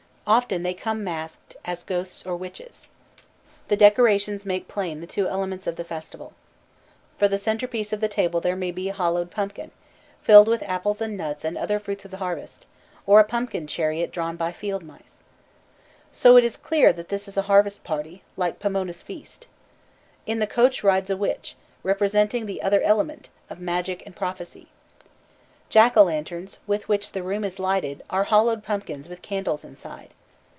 Often they come masked, as ghosts or witches. The decorations make plain the two elements of the festival. For the centerpiece of the table there may be a hollowed pumpkin, filled with apples and nuts and other fruits of harvest, or a pumpkin chariot drawn by field mice. So it is clear that this is a harvest party, like Pomona's feast. In the coach rides a witch, representing the other element, of magic and prophecy. Jack o' lanterns, with which the room is lighted, are hollowed pumpkins with candles inside.